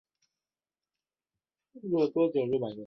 现在都倾向于大剂量治疗。